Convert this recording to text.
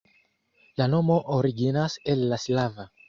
La nomo originas el la slava.